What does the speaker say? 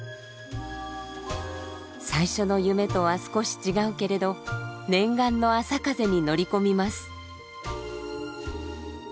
最初の夢とは少し違うけれど念願のあさかぜに乗り込みます。